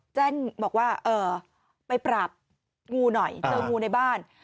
แจ้งบอกว่าไปปราบงูหน่อยเจองูในบ้าน